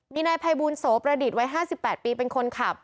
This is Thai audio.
มีนายภัยบูลโสประดิษฐ์วัย๕๘ปีเป็นคนขับ